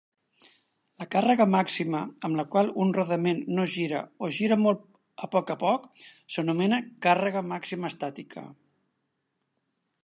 La càrrega màxima amb la qual un rodament no gira o gira molt a poc a poc s'anomena càrrega màxima estàtica.